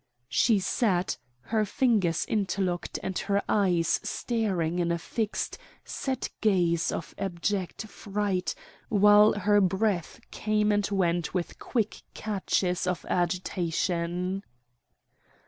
She sat, her fingers interlocked and her eyes staring in a fixed, set gaze of abject fright, while her breath came and went with quick catches of agitation.